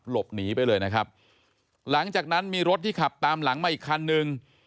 หลบหนีไปเลยนะครับหลังจากนั้นมีรถที่ขับตามหลังมาอีกคันนึง